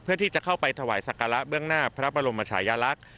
เพื่อที่จะเข้าไปถวายสักการะเบื้องหน้าพระบรมชายลักษณ์